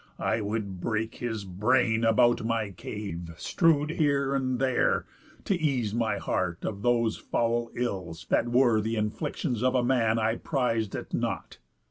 I would break His brain about my cave, strew'd here and there, To ease my heart of those foul ills, that were Th' inflictions of a man I priz'd at nought.